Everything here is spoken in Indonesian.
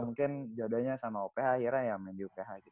mungkin jodohnya sama oph akhirnya ya main di oph gitu